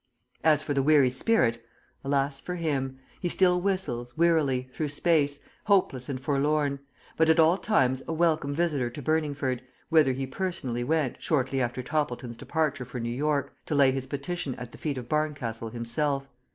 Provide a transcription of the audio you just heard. As for the weary spirit, alas for him! He still whistles, wearily, through space, hopeless and forlorn, but at all times a welcome visitor to Burningford, whither he personally went, shortly after Toppleton's departure for New York, to lay his petition at the feet of Barncastle himself.